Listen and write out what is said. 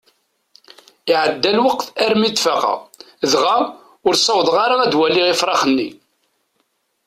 Iɛedda lweqt armi d-faqeɣ, dɣa ur sawḍeɣ ara ad waliɣ ifṛax-nni.